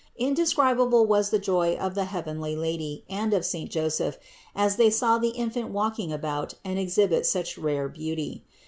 Indescribable was the joy of the heavenly Lady and of saint Joseph as they saw the In fant walking about and exhibit such rare beauty.